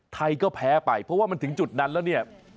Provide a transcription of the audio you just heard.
ไทยก็แพ้ไปเพราะว่ามันถึงจุดนั้นแล้วเนี่ย